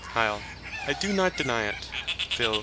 I do not deny it. PHIL.